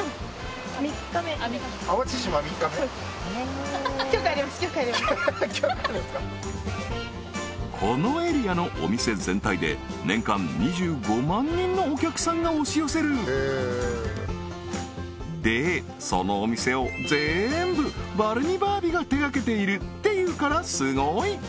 ３日目今日帰るんですかこのエリアのお店全体で年間２５万人のお客さんが押し寄せる！でそのお店を全部バルニバービが手がけているっていうからスゴい！